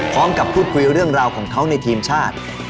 พร้อมกับพูดคุยเรื่องราวของเขาในทีมชาติ